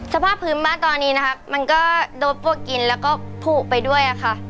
สภาพพื้นบ้านตอนนี้นะคะมันก็โดดโปรดกลิ่นแล้วก็ผูกไปด้วยอะค่ะ